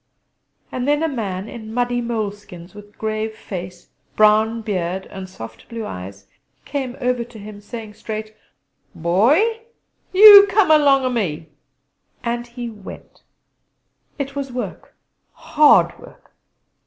And then a man in muddy moleskins, with grave face, brown beard, and soft blue eyes, came over to him, saying straight: "Boy, you come along o' me!" And he went. It was work hard work.